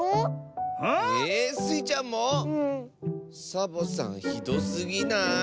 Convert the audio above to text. サボさんひどすぎない？